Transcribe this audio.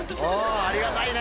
ありがたいね。